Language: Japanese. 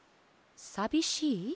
「さびしい？」。